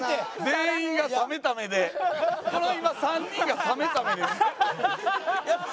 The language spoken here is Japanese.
全員が冷めた目でこれを今３人が冷めた目で。